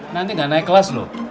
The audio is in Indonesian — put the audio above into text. nanti gak naik kelas loh